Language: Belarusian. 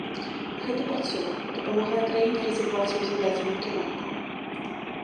Гэта працуе, дапамагае краіне развівацца ў зададзеным кірунку.